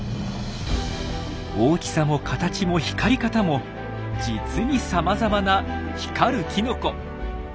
大きさも形も光り方も実にさまざまな光るきのこ。